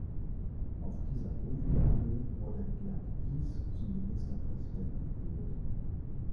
Auf dieser Grundlage wurde Gerd Gies zum Ministerpräsidenten gewählt.